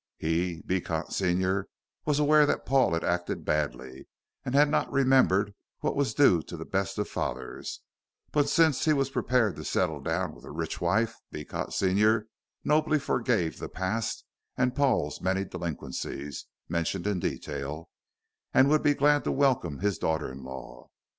He Beecot senior was aware that Paul had acted badly, and had not remembered what was due to the best of fathers; but since he was prepared to settle down with a rich wife, Beecot senior nobly forgave the past and Paul's many delinquences (mentioned in detail) and would be glad to welcome his daughter in law.